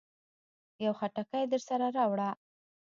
يو خټکی درسره راوړه.